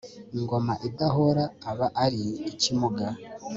ingoma idahora aba ari ikimuga